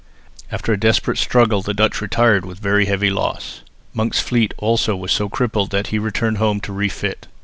After a desperate struggle the Dutch retired with very heavy loss. Monk's fleet also was so crippled that he returned home to refit.